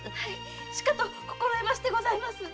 しかと心得ましてございます。